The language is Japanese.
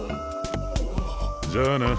じゃあな。